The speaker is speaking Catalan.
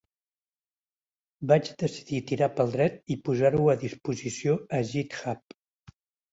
Vaig decidir tirar pel dret i posar-ho a disposició a GitHub.